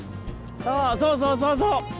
そうそうそうそうそう！